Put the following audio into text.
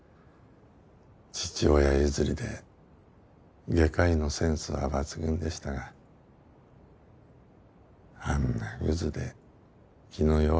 父親譲りで外科医のセンスは抜群でしたがあんなぐずで気の弱い子が。